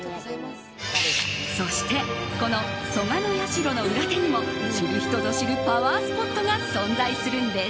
そして、この素鵞社の裏手にも知る人ぞ知るパワースポットが存在するんです。